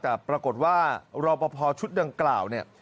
แต่ปรากฏว่ารอบพชุดนางกล่าว